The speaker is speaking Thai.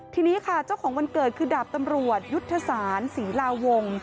ทีนี้ค่ะเจ้าของวันเกิดคือดาบตำรวจยุทธศาลศรีลาวงศ์